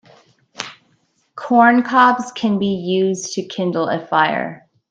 Corn cobs can be used to kindle a fire.